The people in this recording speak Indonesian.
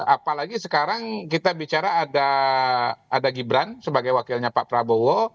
apalagi sekarang kita bicara ada gibran sebagai wakilnya pak prabowo